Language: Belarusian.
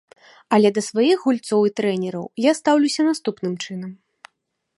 Але да сваіх гульцоў і трэнераў я стаўлюся наступным чынам.